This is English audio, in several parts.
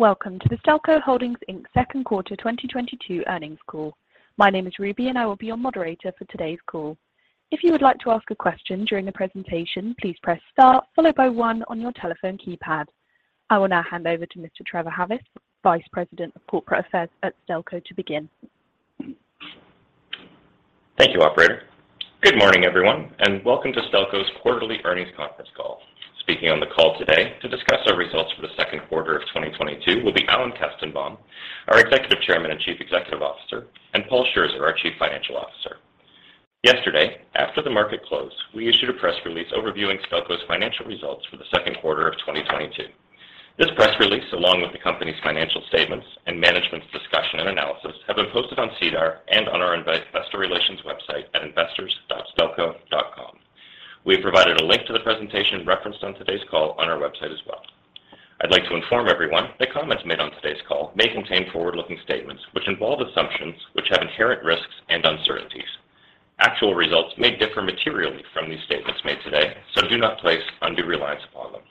Welcome to the Stelco Holdings Inc. 2nd quarter 2022 earnings call. My name is Ruby and I will be your moderator for today's call. If you would like to ask a question during the presentation, please press Star followed by one on your telephone keypad. I will now hand over to Mr. Trevor Harris, Vice President of Corporate Affairs at Stelco, to begin. Thank you, operator. Good morning, everyone, and welcome to Stelco's quarterly earnings conference call. Speaking on the call today to discuss our results for the 2nd quarter of 2022 will be Alan Kestenbaum, our Executive Chairman and Chief Executive Officer, and Paul Scherzer, our Chief Financial Officer. Yesterday, after the market closed, we issued a press release overviewing Stelco's financial results for the 2nd quarter of 2022. This press release, along with the company's financial statements and management's discussion and analysis, have been posted on SEDAR and on our investor relations website at investors.stelco.com. We have provided a link to the presentation referenced on today's call on our website as well. I'd like to inform everyone that comments made on today's call may contain forward-looking statements which involve assumptions which have inherent risks and uncertainties. Actual results may differ materially from these statements made today, so do not place undue reliance upon them.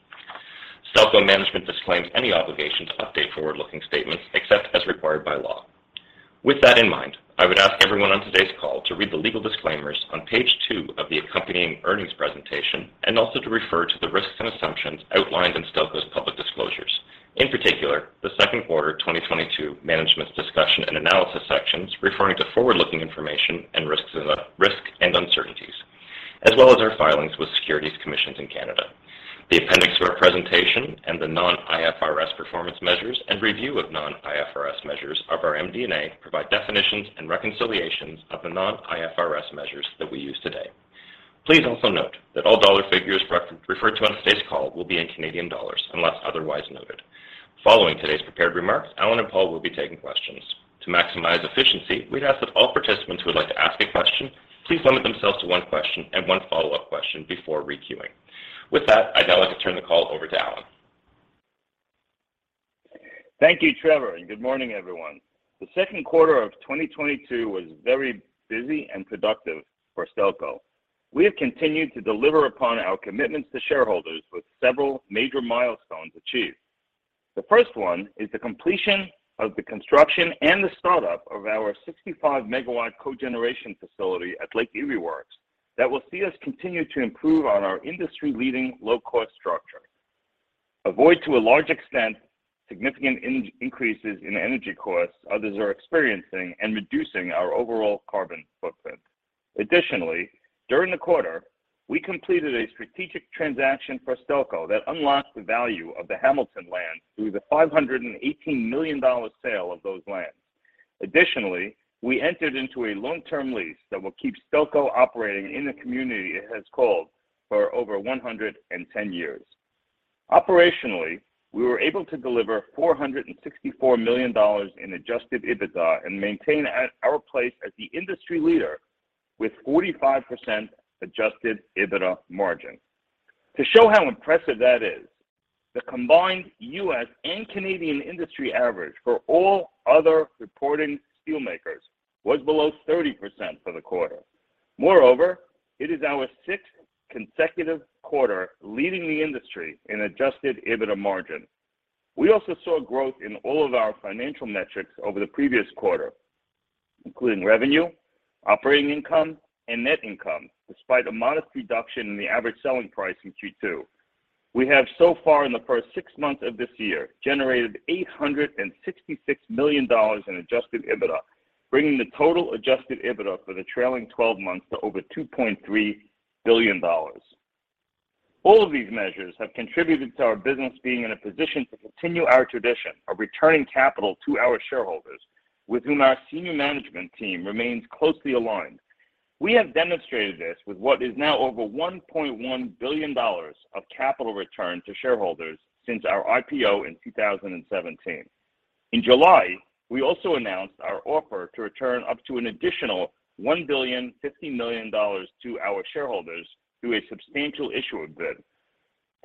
Stelco Management disclaims any obligation to update forward-looking statements except as required by law. With that in mind, I would ask everyone on today's call to read the legal disclaimers on page two of the accompanying earnings presentation and also to refer to the risks and assumptions outlined in Stelco's public disclosures. In particular, the 2nd quarter 2022 Management's Discussion and Analysis sections referring to forward-looking information and risks and uncertainties, as well as our filings with securities commissions in Canada. The appendix to our presentation and the non-IFRS performance measures and review of non-IFRS measures of our MD&A provide definitions and reconciliations of the non-IFRS measures that we use today. Please also note that all dollar figures referred to on today's call will be in Canadian dollars unless otherwise noted. Following today's prepared remarks, Alan and Paul will be taking questions. To maximize efficiency, we'd ask that all participants who would like to ask a question, please limit themselves to one question and one follow-up question before re-queuing. With that, I'd now like to turn the call over to Alan. Thank you, Trevor, and good morning, everyone. The 2nd quarter of 2022 was very busy and productive for Stelco. We have continued to deliver upon our commitments to shareholders with several major milestones achieved. The first one is the completion of the construction and the startup of our 65 MW cogeneration facility at Lake Erie Works that will see us continue to improve on our industry-leading low-cost structure, avoid to a large extent significant increases in energy costs others are experiencing, and reducing our overall carbon footprint. Additionally, during the quarter, we completed a strategic transaction for Stelco that unlocked the value of the Hamilton lands through the 518 million dollar sale of those lands. Additionally, we entered into a long-term lease that will keep Stelco operating in the community it has called home for over 110 years. Operationally, we were able to deliver 464 million dollars in adjusted EBITDA and maintain our place as the industry leader with 45% adjusted EBITDA margin. To show how impressive that is, the combined U.S. and Canadian industry average for all other reporting steelmakers was below 30% for the quarter. Moreover, it is our sixth consecutive quarter leading the industry in adjusted EBITDA margin. We also saw growth in all of our financial metrics over the previous quarter, including revenue, operating income, and net income, despite a modest reduction in the average selling price in Q2. We have so far in the first six months of this year generated 866 million dollars in adjusted EBITDA, bringing the total adjusted EBITDA for the trailing twelve months to over 2.3 billion dollars. All of these measures have contributed to our business being in a position to continue our tradition of returning capital to our shareholders, with whom our senior management team remains closely aligned. We have demonstrated this with what is now over 1.1 billion dollars of capital return to shareholders since our IPO in 2017. In July, we also announced our offer to return up to an additional 1.05 billion to our shareholders through a substantial issue of debt.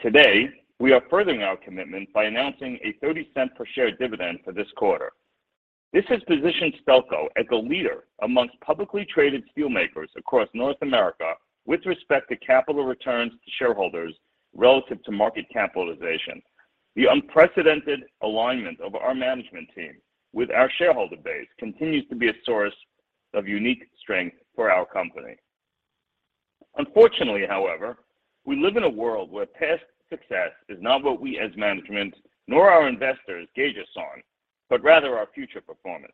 Today, we are furthering our commitment by announcing a 0.30 per share dividend for this quarter. This has positioned Stelco as a leader amongst publicly traded steelmakers across North America with respect to capital returns to shareholders relative to market capitalization. The unprecedented alignment of our management team with our shareholder base continues to be a source of unique strength for our company. Unfortunately, however, we live in a world where past success is not what we as management nor our investors gauge us on, but rather our future performance.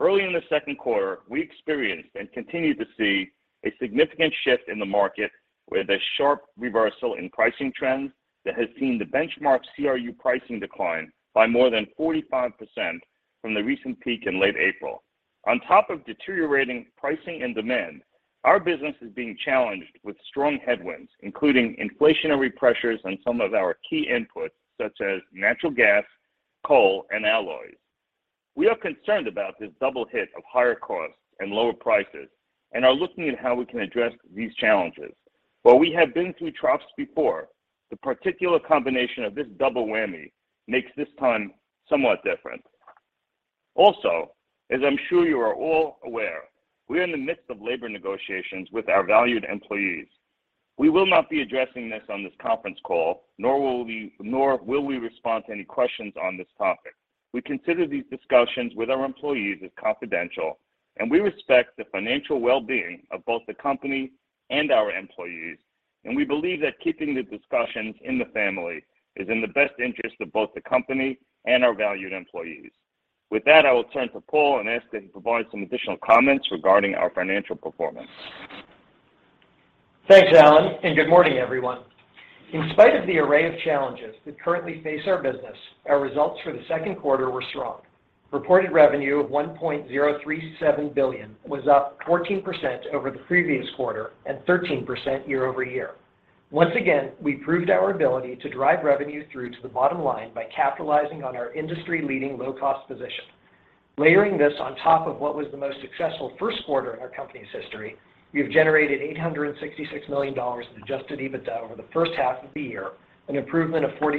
Early in the 2nd quarter, we experienced and continue to see a significant shift in the market with a sharp reversal in pricing trends that has seen the benchmark CRU pricing decline by more than 45% from the recent peak in late April. On top of deteriorating pricing and demand, our business is being challenged with strong headwinds, including inflationary pressures on some of our key inputs such as natural gas, coal, and alloys. We are concerned about this double hit of higher costs and lower prices and are looking at how we can address these challenges. While we have been through troughs before, the particular combination of this double whammy makes this time somewhat different. Also, as I'm sure you are all aware, we are in the midst of labor negotiations with our valued employees. We will not be addressing this on this conference call, nor will we respond to any questions on this topic. We consider these discussions with our employees as confidential, and we respect the financial well-being of both the company and our employees. We believe that keeping the discussions in the family is in the best interest of both the company and our valued employees. With that, I will turn to Paul and ask that he provide some additional comments regarding our financial performance. Thanks, Alan, and good morning, everyone. In spite of the array of challenges that currently face our business, our results for the 2nd quarter were strong. Reported revenue of 1.037 billion was up 14% over the previous quarter and 13% year-over-year. Once again, we proved our ability to drive revenue through to the bottom line by capitalizing on our industry-leading low-cost position. Layering this on top of what was the most successful 1st quarter in our company's history, we have generated 866 million dollars in adjusted EBITDA over the first half of the year, an improvement of 46%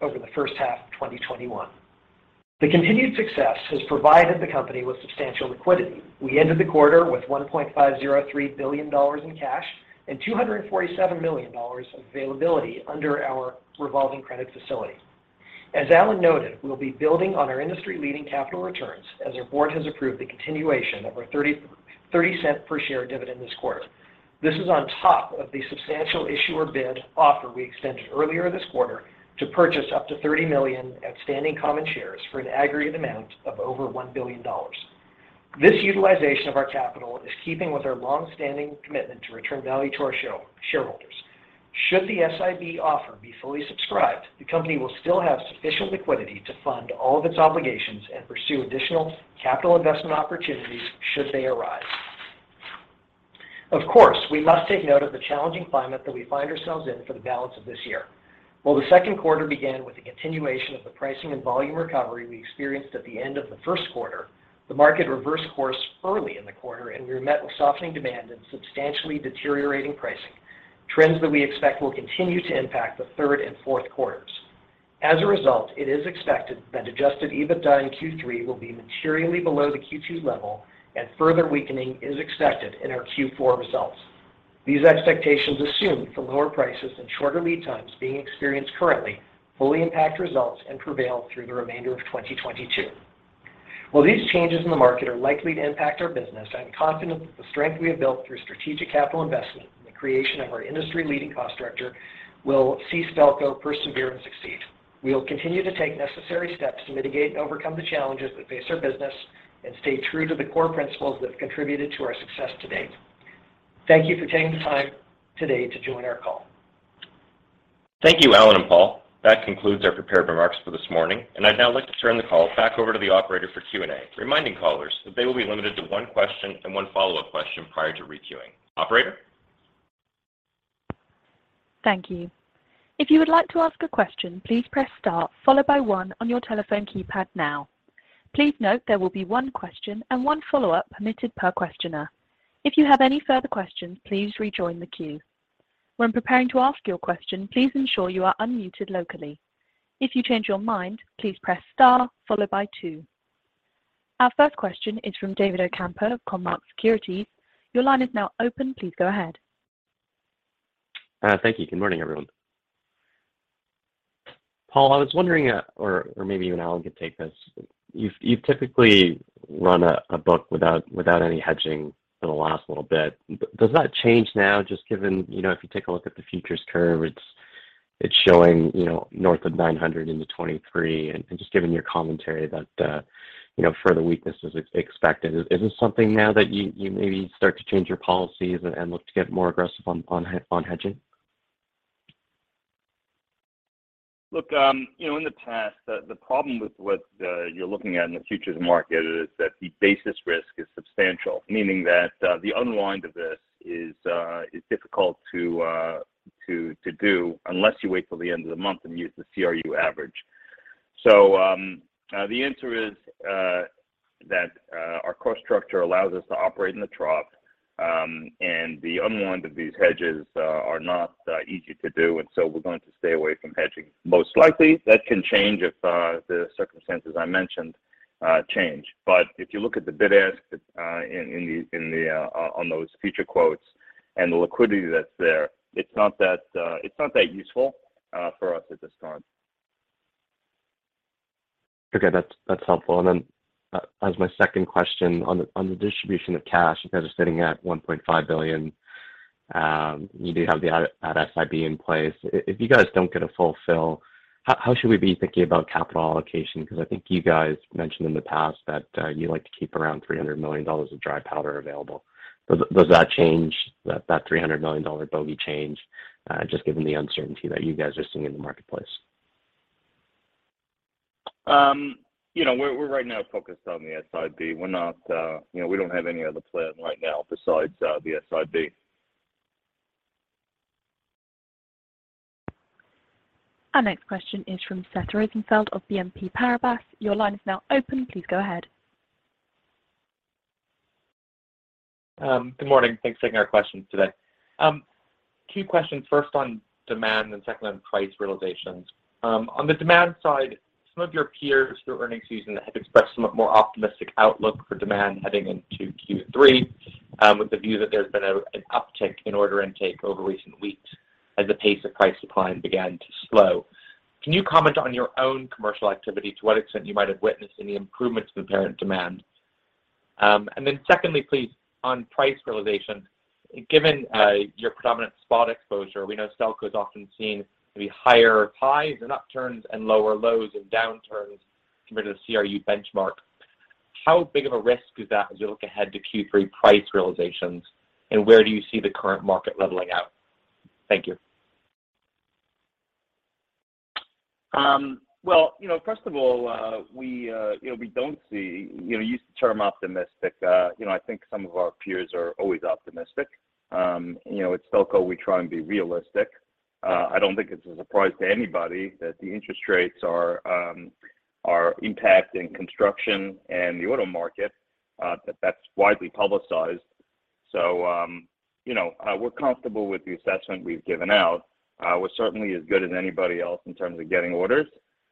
over the first half of 2021. The continued success has provided the company with substantial liquidity. We ended the quarter with 1.503 billion dollars in cash and 247 million dollars of availability under our revolving credit facility. As Alan noted, we'll be building on our industry-leading capital returns as our board has approved the continuation of our 0.30 per share dividend this quarter. This is on top of the substantial issuer bid offer we extended earlier this quarter to purchase up to 30 million outstanding common shares for an aggregate amount of over 1 billion dollars. This utilization of our capital is in keeping with our long-standing commitment to return value to our shareholders. Should the SIB offer be fully subscribed, the company will still have sufficient liquidity to fund all of its obligations and pursue additional capital investment opportunities should they arise. Of course, we must take note of the challenging climate that we find ourselves in for the balance of this year. While the 2nd quarter began with the continuation of the pricing and volume recovery we experienced at the end of the 1st quarter, the market reversed course early in the quarter, and we were met with softening demand and substantially deteriorating pricing, trends that we expect will continue to impact the third and 4th quarters. As a result, it is expected that adjusted EBITDA in Q3 will be materially below the Q2 level and further weakening is expected in our Q4 results. These expectations assume the lower prices and shorter lead times being experienced currently fully impact results and prevail through the remainder of 2022. While these changes in the market are likely to impact our business, I'm confident that the strength we have built through strategic capital investment and the creation of our industry-leading cost structure will see Stelco persevere and succeed. We will continue to take necessary steps to mitigate and overcome the challenges that face our business and stay true to the core principles that have contributed to our success to date. Thank you for taking the time today to join our call. Thank you, Alan and Paul. That concludes our prepared remarks for this morning, and I'd now like to turn the call back over to the operator for Q&A, reminding callers that they will be limited to one question and one follow-up question prior to re-queuing. Operator? Thank you. If you would like to ask a question, please press star followed by one on your telephone keypad now. Please note there will be one question and one follow-up permitted per questioner. If you have any further questions, please rejoin the queue. When preparing to ask your question, please ensure you are unmuted locally. If you change your mind, please press star followed by two. Our first question is from David Ocampo of Cormark Securities. Your line is now open. Please go ahead. Thank you. Good morning, everyone. Paul, I was wondering, or maybe even Alan could take this. You've typically run a book without any hedging for the last little bit. Does that change now just given, you know, if you take a look at the futures curve, it's showing, you know, north of 900 into 2023 and just given your commentary that, you know, further weakness is expected. Is this something now that you maybe start to change your policies and look to get more aggressive on hedging? Look, you know, in the past, the problem with what you're looking at in the futures market is that the basis risk is substantial, meaning that the unwind of this is difficult to do unless you wait till the end of the month and use the CRU average. The answer is that our cost structure allows us to operate in the trough, and the unwind of these hedges are not easy to do, and so we're going to stay away from hedging. Most likely, that can change if the circumstances I mentioned change. If you look at the bid-ask on those future quotes and the liquidity that's there, it's not that useful for us at this time. Okay. That's helpful. As my second question on the distribution of cash, you guys are sitting at 1.5 billion. You do have the SIB in place. If you guys don't get a fulfill, how should we be thinking about capital allocation? Because I think you guys mentioned in the past that you like to keep around 300 million dollars of dry powder available. Does that change that 300 million dollar bogey, just given the uncertainty that you guys are seeing in the marketplace? You know, we're right now focused on the SIB. We're not. You know, we don't have any other plan right now besides the SIB. Our next question is from Seth Rosenfeld of BNP Paribas. Your line is now open. Please go ahead. Good morning. Thanks for taking our questions today. Two questions. First on demand, and second on price realizations. On the demand side, some of your peers through earnings season have expressed a more optimistic outlook for demand heading into Q3, with the view that there's been an uptick in order intake over recent weeks as the pace of price decline began to slow. Can you comment on your own commercial activity, to what extent you might have witnessed any improvements in the apparent demand? Then secondly, please, on price realization, given your predominant spot exposure, we know Stelco is often seen to be higher highs and upturns and lower lows and downturns compared to the CRU benchmark. How big of a risk is that as you look ahead to Q3 price realizations, and where do you see the current market leveling out? Thank you. Well, you know, first of all, we don't see, you know, you use the term optimistic. You know, I think some of our peers are always optimistic. You know, at Stelco, we try and be realistic. I don't think it's a surprise to anybody that the interest rates are impacting construction and the auto market, that that's widely publicized. You know, we're comfortable with the assessment we've given out. We're certainly as good as anybody else in terms of getting orders.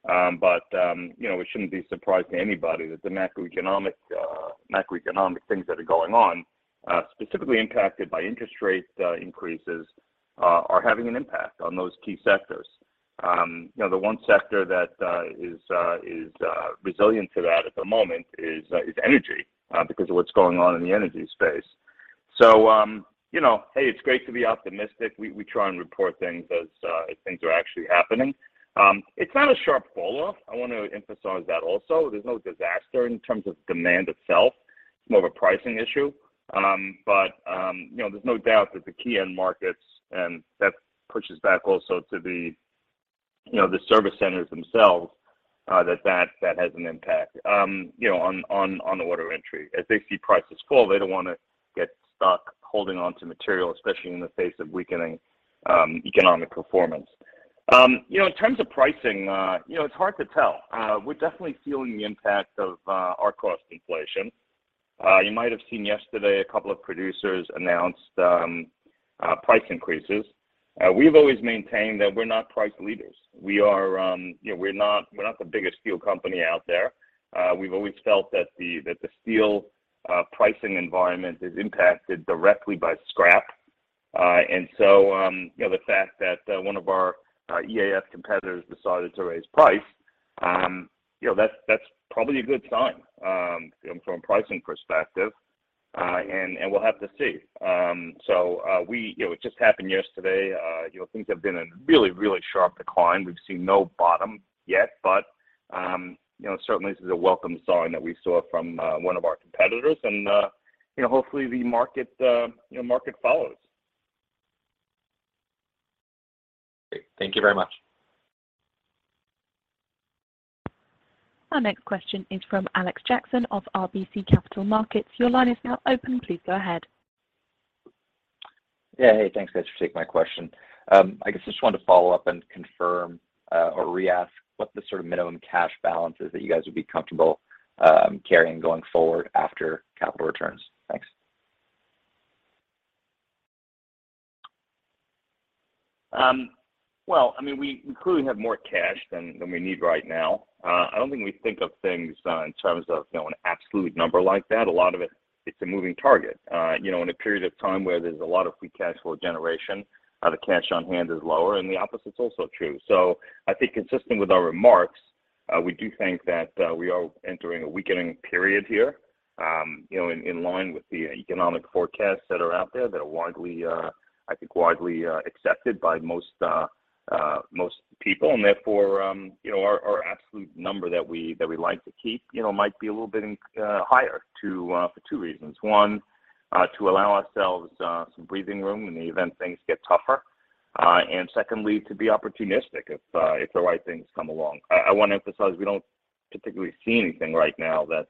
You know, it shouldn't be a surprise to anybody that the macroeconomic things that are going on, specifically impacted by interest rate increases, are having an impact on those key sectors. You know, the one sector that is resilient to that at the moment is energy because of what's going on in the energy space. You know, hey, it's great to be optimistic. We try and report things as things are actually happening. It's not a sharp fall-off. I want to emphasize that also. There's no disaster in terms of demand itself. It's more of a pricing issue. You know, there's no doubt that the key end markets and that pushes back also to the, you know, the service centers themselves, that has an impact, you know, on the order entry. As they see prices fall, they don't wanna get stuck holding on to material, especially in the face of weakening economic performance. You know, in terms of pricing, you know, it's hard to tell. We're definitely feeling the impact of our cost inflation. You might have seen yesterday a couple of producers announced price increases. We've always maintained that we're not price leaders. We are, you know, we're not the biggest steel company out there. We've always felt that the steel pricing environment is impacted directly by scrap. You know, the fact that one of our EAF competitors decided to raise price, you know, that's probably a good sign from a pricing perspective. We'll have to see. You know, it just happened yesterday. You know, things have been in really sharp decline. We've seen no bottom yet, but, you know, certainly this is a welcome sign that we saw from one of our competitors, and, you know, hopefully the market, you know, market follows. Great. Thank you very much. Our next question is from Alex Jackson of RBC Capital Markets. Your line is now open. Please go ahead. Yeah. Hey, thanks, guys, for taking my question. I guess just wanted to follow up and confirm, or re-ask what the sort of minimum cash balance is that you guys would be comfortable, carrying going forward after capital returns. Thanks. Well, I mean, we clearly have more cash than we need right now. I don't think we think of things in terms of, you know, an absolute number like that. A lot of it's a moving target. You know, in a period of time where there's a lot of free cash flow generation, the cash on hand is lower, and the opposite is also true. I think consistent with our remarks, we do think that we are entering a weakening period here, you know, in line with the economic forecasts that are out there that are widely, I think, accepted by most people. Therefore, you know, our absolute number that we like to keep, you know, might be a little bit higher too for two reasons. One, to allow ourselves some breathing room in the event things get tougher. Secondly, to be opportunistic if the right things come along. I wanna emphasize we don't particularly see anything right now that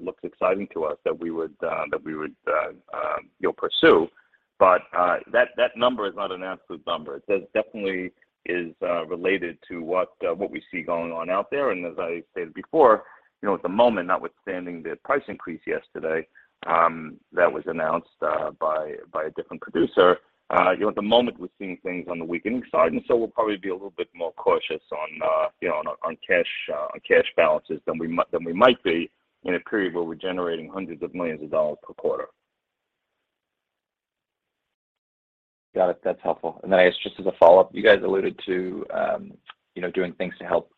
looks exciting to us that we would pursue. That number is not an absolute number. It definitely is related to what we see going on out there. As I stated before, you know, at the moment, notwithstanding the price increase yesterday, that was announced by a different producer, you know, at the moment we're seeing things on the weakening side and so we'll probably be a little bit more cautious on, you know, on cash balances than we might be in a period where we're generating CAD hundreds of millions per quarter. Got it. That's helpful. I guess, just as a follow-up, you guys alluded to, you know, doing things to help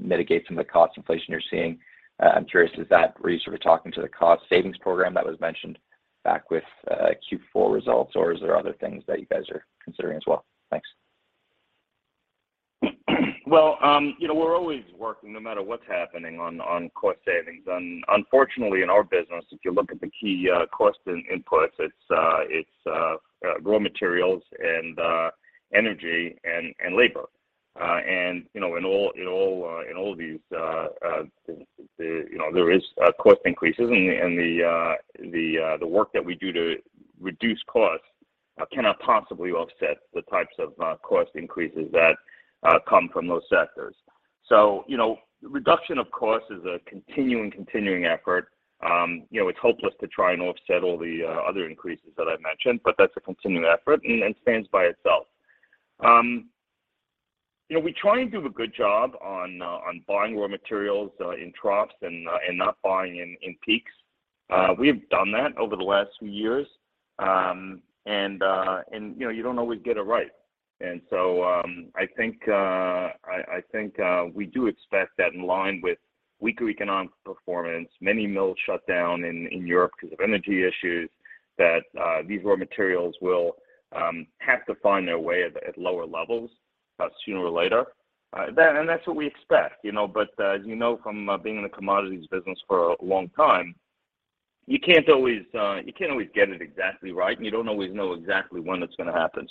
mitigate some of the cost inflation you're seeing. I'm curious, is that where you're sort of talking to the cost savings program that was mentioned back with Q4 results, or is there other things that you guys are considering as well? Thanks. Well, you know, we're always working, no matter what's happening, on cost savings. Unfortunately, in our business, if you look at the key cost inputs, it's raw materials and energy and labor. You know, in all of these, you know, there is cost increases. The work that we do to reduce costs cannot possibly offset the types of cost increases that come from those sectors. You know, reduction of cost is a continuing effort. You know, it's hopeless to try and offset all the other increases that I mentioned, but that's a continuing effort and stands by itself. You know, we try and do a good job on buying raw materials in troughs and not buying in peaks. We've done that over the last few years, and you know, you don't always get it right. I think we do expect that in line with weaker economic performance, many mills shut down in Europe because of energy issues that these raw materials will have to find their way at lower levels sooner or later. That's what we expect, you know. As you know from being in the commodities business for a long time, you can't always get it exactly right, and you don't always know exactly when it's gonna happen.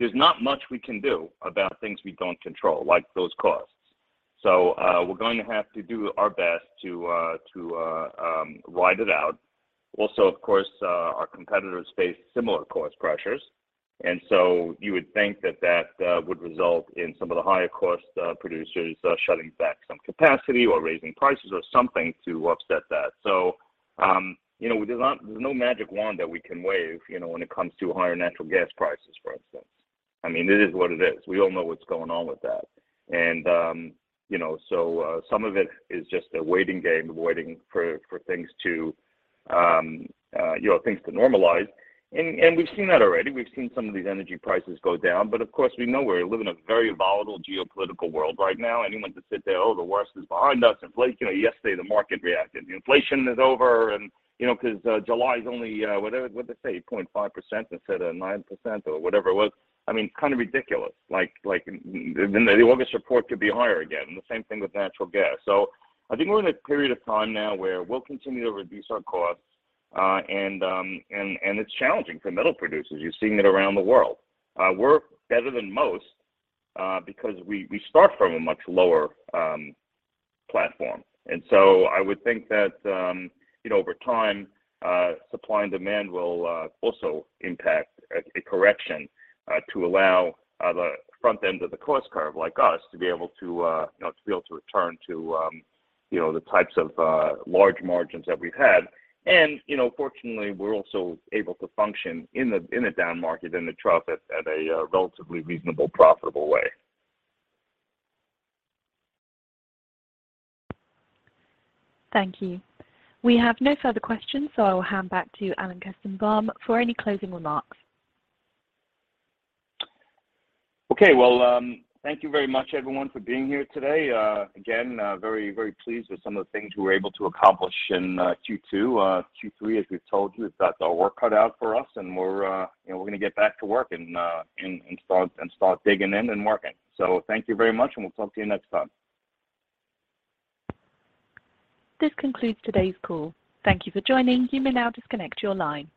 There's not much we can do about things we don't control, like those costs. We're going to have to do our best to ride it out. Also, of course, our competitors face similar cost pressures, and so you would think that would result in some of the higher cost producers shutting back some capacity or raising prices or something to offset that. You know, there's no magic wand that we can wave, you know, when it comes to higher natural gas prices, for instance. I mean, it is what it is. We all know what's going on with that. You know, some of it is just a waiting game, waiting for things to normalize. We've seen that already. We've seen some of these energy prices go down, but of course, we know we live in a very volatile geopolitical world right now. Anyone to sit there, "Oh, the worst is behind us. Inflation." You know, yesterday, the market reacted. Inflation is over and, you know, because July is only, whatever. What'd they say? 0.5% instead of 9% or whatever it was. I mean, it's kind of ridiculous. Like, then the August report could be higher again, and the same thing with natural gas. I think we're in a period of time now where we'll continue to reduce our costs, and it's challenging for metal producers. You're seeing it around the world. We're better than most, because we start from a much lower platform. I would think that, you know, over time, supply and demand will also impact a correction to allow the front end of the cost curve like us to be able to, you know, return to, you know, the types of large margins that we've had. You know, fortunately, we're also able to function in a down market, in a trough at a relatively reasonable profitable way. Thank you. We have no further questions. I will hand back to Alan Kestenbaum for any closing remarks. Okay. Well, thank you very much, everyone, for being here today. Again, very pleased with some of the things we were able to accomplish in Q2. Q3, as we've told you, has got their work cut out for us, and we're, you know, we're gonna get back to work and start digging in and working. Thank you very much, and we'll talk to you next time. This concludes today's call. Thank you for joining. You may now disconnect your line.